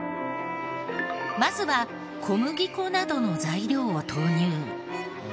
まずは小麦粉などの材料を投入。